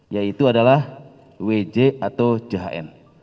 yaitu adalah wj atau jhn